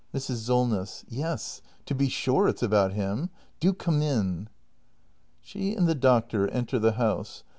Mrs. Solness. Yes, to be sure it's about him. Do come in. She and the doctor enter the house.